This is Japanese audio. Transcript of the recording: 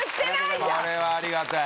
これはありがたい。